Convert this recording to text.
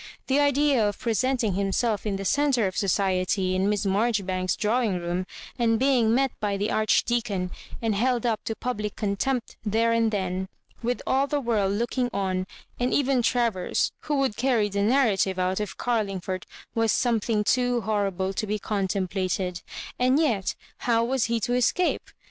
The idea of presenting himself in the centre of society in Miss Marjori banks's drawing room, and being met by the Archdeacon, and held up to public contempt there and then, with all the world looking on, and even Travers, who would carry the nar rative out of Carlingford, was something too hor rible to be contemplated; and yet how was he to escape?